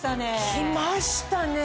きましたね！